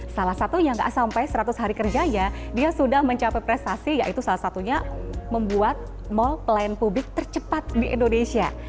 salah satu yang gak sampai seratus hari kerjanya dia sudah mencapai prestasi yaitu salah satunya membuat mall pelayanan publik tercepat di indonesia